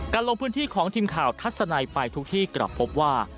ลงพื้นที่ของทีมข่าวทัศนัยไปทุกที่กลับพบว่า